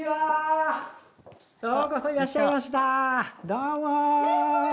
どうも！